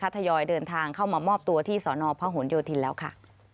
ทยอยเดินทางเข้ามามอบตัวที่สนพหนโยธินแล้วค่ะ